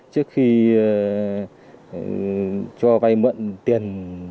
trước khi cho vay mượn tiền